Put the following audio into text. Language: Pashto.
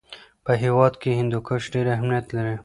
په هېواد کې هندوکش ډېر اهمیت لري.